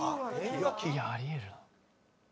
いやあり得る。